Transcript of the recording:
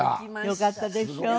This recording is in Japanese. よかったでしょ？